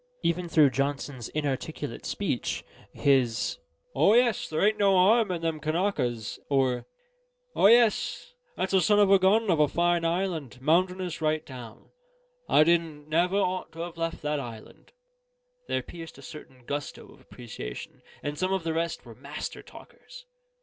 Even through Johnson's inarticulate speech, his "O yes, there ain't no harm in them Kanakas," or "O yes, that's a son of a gun of a fine island, mountainious right down; I didn't never ought to have left that island," there pierced a certain gusto of appreciation: and some of the rest were master talkers.